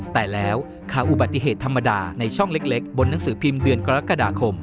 แต่แล้วค่ะอุบัติเหตุธรรมดาในช่องเล็กบนหนังสือพิมพ์เดือนกรกฎาคม